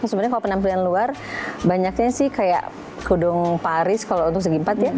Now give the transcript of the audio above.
sebenarnya kalau penampilan luar banyaknya sih kayak kudung paris kalau untuk segi empat ya